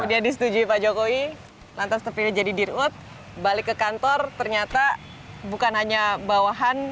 kemudian disetujui pak jokowi lantas terpilih jadi dirut balik ke kantor ternyata bukan hanya bawahan